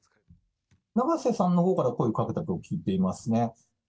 永瀬さんのほうから声をかけたとは聞いていますね。